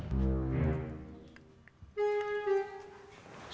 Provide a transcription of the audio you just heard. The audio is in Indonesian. mau pinjem uang dari kang gobang